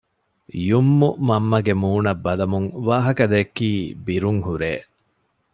ޔުމްނު މަންމަގެ މޫނަށް ބަލަމުން ވާހަކަދެއްކީ ބިރުން ހުރޭ